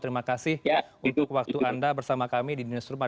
terima kasih untuk waktu anda bersama kami di dinas rumah